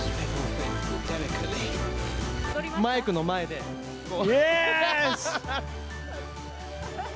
マイクの前で、こう。